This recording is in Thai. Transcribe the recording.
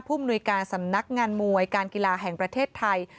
มนุยการสำนักงานมวยการกีฬาแห่งประเทศไทย